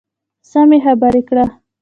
سمې خبرې کړه .